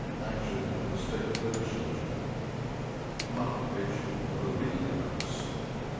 Action of the State Legislature. Occupation of the Relay House.